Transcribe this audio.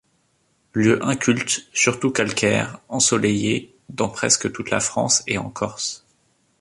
Lieux incultes, surtout calcaires, ensoleillés, dans presque toute la France et en Corse.